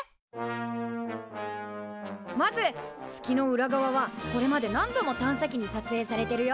まず月の裏側はこれまで何度も探査機に撮影されてるよ。